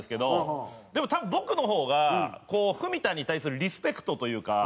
でも多分僕の方が文田に対するリスペクトというか。